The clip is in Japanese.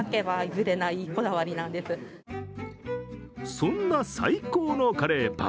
そんな最高のカレーパン。